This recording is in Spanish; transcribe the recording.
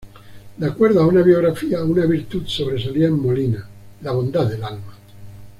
De acuerdo a una biografía: "una virtud sobresalía en Molina: la bondad del alma".